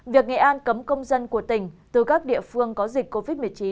việc nghệ an cấm công dân của tỉnh từ các địa phương có dịch covid một mươi chín